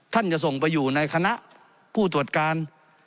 จะส่งไปอยู่ในคณะผู้ตรวจการ